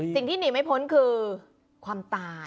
สิ่งที่หนีไม่พ้นคือความตาย